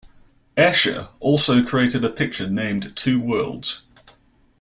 Escher also created a picture named "Two Worlds".